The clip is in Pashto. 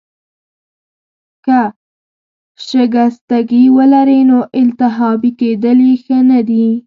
که شکستګي ولرې، نو التهابي کیدل يې ښه نه دي.